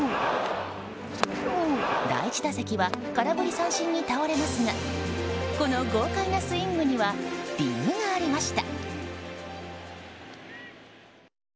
第１打席は空振り三振に倒れますがこの豪快なスイングには理由がありました。